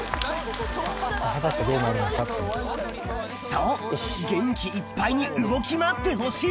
そう元気いっぱいに動き回ってほしい！